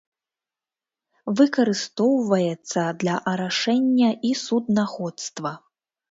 Выкарыстоўваецца для арашэння і суднаходства.